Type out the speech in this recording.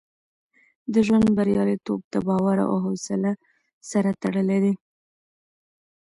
د ژوند بریالیتوب د باور او حوصله سره تړلی دی.